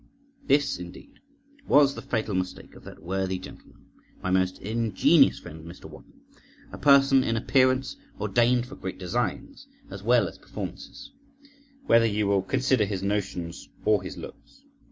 This, indeed, was the fatal mistake of that worthy gentleman, my most ingenious friend Mr. Wotton, a person in appearance ordained for great designs as well as performances, whether you will consider his notions or his looks.